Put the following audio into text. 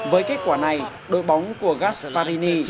với kết quả này đội bóng của gasperini